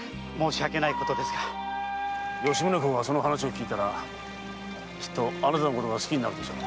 吉宗公がその話を聞いたらきっとあなたを好きになるでしょう。